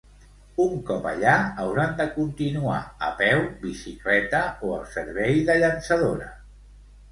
Un cop allà, hauran de continuar a peu, bicicleta o el servei de llançadora.